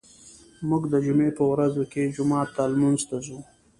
موږ د جمعې په ورځو کې جومات ته لمونځ ته ځو.